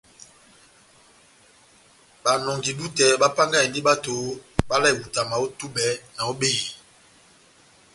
Banɔngi-dútɛ bapángahindi bato bavalahani ihutama ó túbɛ ná ó behiyi.